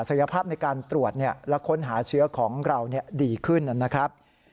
ภาพในการตรวจและค้นหาเชื้อของเราดีขึ้นนะครับ